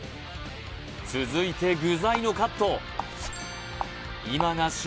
続いて具材のカット今が旬